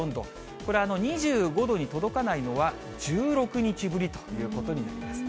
これ、２５度に届かないのは１６日ぶりということになります。